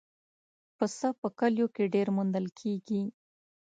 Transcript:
پسه په کلیو کې ډېر موندل کېږي.